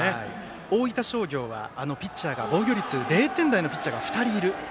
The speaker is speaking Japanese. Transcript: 大分商業は防御率０点台のピッチャーが２人いる。